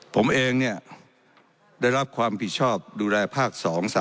ผมเองเนี่ยได้รับความผิดชอบดูแลภาค๒ซะ